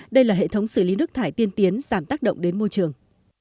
đây là hệ thống xử lý nước thải tiên tiến giảm tác động đến môi trường